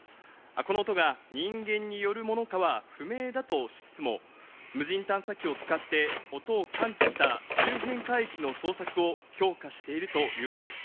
この音が人間によるものかは不明だとしつつも、無人探査機を使って音を感知した周辺海域の捜索を強化しているということです。